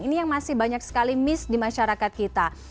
ini yang masih banyak sekali miss di masyarakat kita